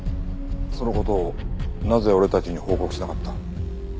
その事をなぜ俺たちに報告しなかった？